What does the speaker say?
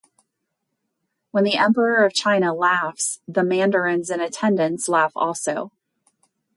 When the emperor of China laughs, the mandarins in attendance laugh also.